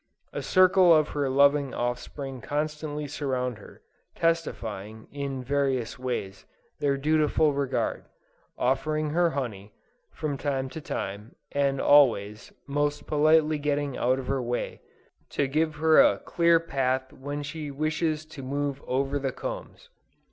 A circle of her loving offspring constantly surround her, testifying, in various ways, their dutiful regard; offering her honey, from time to time, and always, most politely getting out of her way, to give her a clear path when she wishes to move over the combs.